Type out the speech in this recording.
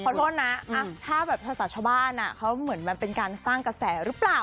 โทษนะถ้าแบบภาษาชาวบ้านเขาเหมือนมันเป็นการสร้างกระแสหรือเปล่า